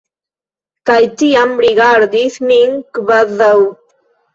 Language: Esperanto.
Kaj tiam rigardis min kvazaŭ...